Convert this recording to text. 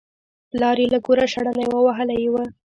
پلار یې له کوره شړلی و او وهلی یې و